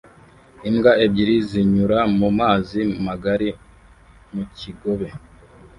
Imbwa ebyiri zinyura mu mazi magari mu kigobe